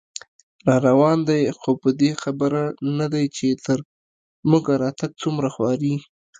راروان دی خو په دې خبر نه دی، چې تر موږه راتګ څومره خواري